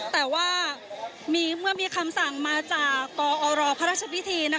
แต่ว่าเมื่อมีคำสั่งมาจากกอรพระราชพิธี